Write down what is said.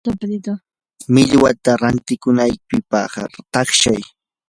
millwata rantikunaykipaq taqshay.